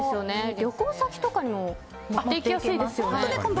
旅行先とかにも持っていきやすいですよね。